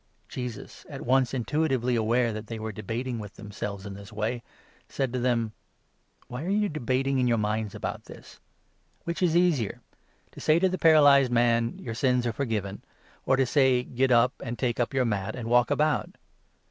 " Jesus, at once intuitively aware that they were debating with 8 themselves in this way, said to them :" Why are you debating in your minds about this ? Which 9 is easier ?— to say to the paralyzed man ' Your sins are for given '? or to say ' Get up, and take up your mat, and walk about